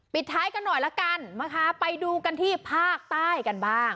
ท้ายกันหน่อยละกันนะคะไปดูกันที่ภาคใต้กันบ้าง